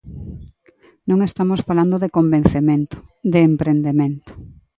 Non estamos falando de convencemento, de emprendemento.